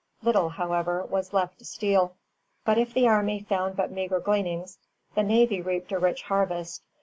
Little, however, was left to steal. But if the army found but meagre gleanings, the navy reaped a rich harvest.